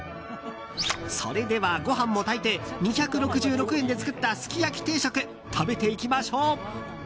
それでは、ご飯も炊いて２６６円で作ったすき焼き定食食べていきましょう。